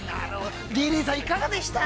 ◆リリーさん、いかがでしたか？